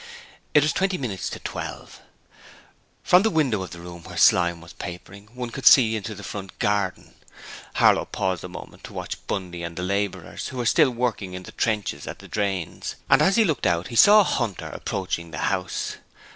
It was twenty minutes to twelve. From the window of the room where Slyme was papering, one could see into the front garden. Harlow paused a moment to watch Bundy and the labourers, who were still working in the trenches at the drains, and as he looked out he saw Hunter approaching the house.